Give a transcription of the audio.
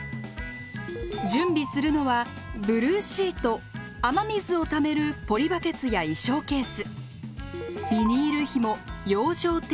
準備するのはブルーシート雨水をためるポリバケツや衣装ケース。